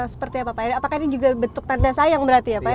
seperti apa pak apakah ini juga bentuk tanda sayang berarti ya pak ya